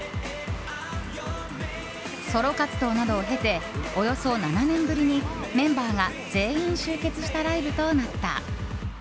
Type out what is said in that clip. ソロ活動などを経ておよそ７年ぶりにメンバーが全員集結したライブとなった。